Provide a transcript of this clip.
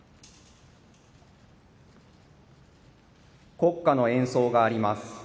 国歌の演奏があります。